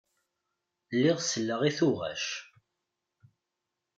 Lliɣ selleɣ i tuɣac.